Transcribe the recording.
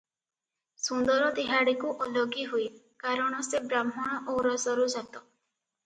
ସୁନ୍ଦର ତିହାଡ଼ିକୁ ଓଳଗି ହୁଏ, କାରଣ ସେ ବ୍ରାହ୍ମଣ ଔରସରୁ ଜାତ ।